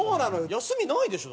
休みないでしょ？